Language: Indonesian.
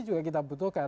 juga kita butuhkan